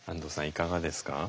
いかがですか？